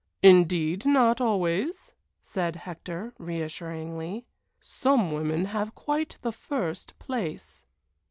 "Indeed not always," said Hector, reassuringly. "Some women have quite the first place."